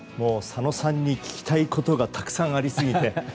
佐野さんに聞きたいことがたくさんありすぎて。